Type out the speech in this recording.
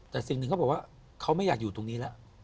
แต่สิ่งหนึ่งเขาบอกว่าเขาไม่อยากอยู่ตรงนี้แล้ว